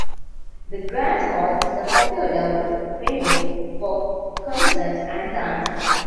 The grand hall is a popular venue for concerts and dances.